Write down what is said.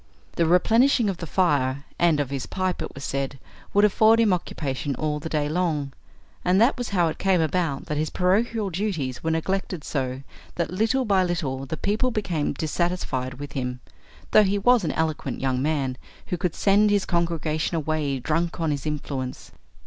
The replenishing of the fire and of his pipe, it was said, would afford him occupation all the day long, and that was how it came about that his parochial duties were neglected so that, little by little, the people became dissatisfied with him, though he was an eloquent young man, who could send his congregation away drunk on his influence.